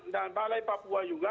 dan balai papua juga